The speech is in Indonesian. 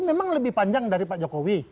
memang lebih panjang dari pak jokowi